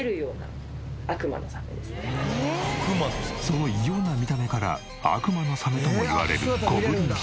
その異様な見た目から悪魔のサメともいわれるゴブリンシャーク。